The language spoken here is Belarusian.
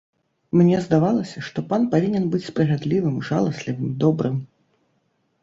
Мне здавалася, што пан павінен быць справядлівым, жаласлівым, добрым.